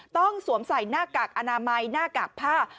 สวมใส่หน้ากากอนามัยหน้ากากผ้า